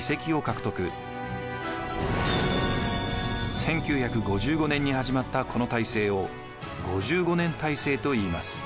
１９５５年に始まったこの体制を「５５年体制」といいます。